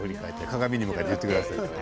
鏡に向かって言ってくださいね。